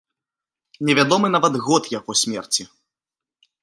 Невядомы нават год яго смерці.